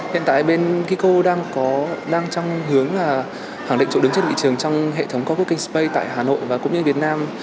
hiện tại bên kiko đang trong hướng là hẳn định chỗ đứng trước thị trường trong hệ thống co working space tại hà nội và cũng như việt nam